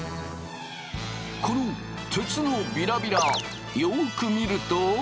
この鉄のビラビラよく見ると。